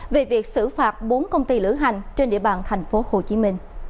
về việc xử phạt bốn công ty lửa hành trên địa bàn tp hcm